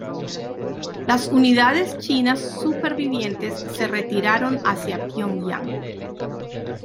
Las unidades chinas supervivientes se retiraron hacia Pyongyang.